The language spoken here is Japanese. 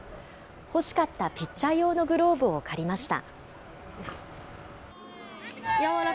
欲しかったピッチャー用のグローブを借りました。